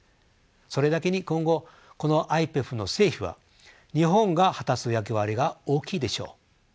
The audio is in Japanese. それだけに今後このＩＰＥＦの成否は日本が果たす役割が大きいでしょう。